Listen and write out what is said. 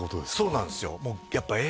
そうなんですよ